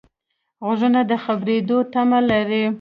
غوږونه د خبرېدو تمه لري